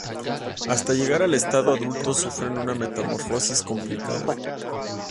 Hasta llegar al estado adulto sufren una metamorfosis complicada.